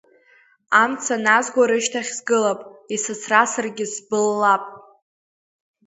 Амца назго рышьҭахь сгылап, исыцрасыргьы сбыллап.